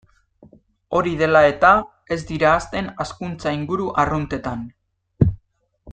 Hori dela eta, ez dira hazten hazkuntza-inguru arruntetan.